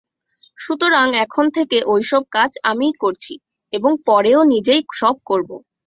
সুতরাং এখন থেকে ঐ-সব কাজ আমিই করছি এবং পরেও নিজেই সব করব।